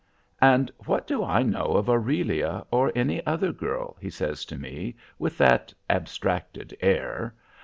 "And what do I know of Aurelia or any other girl?" he says to me with that abstracted air.